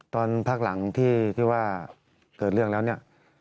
ตอนพักหลังที่ว่าเกิดเรื่องแล้วเนี่ย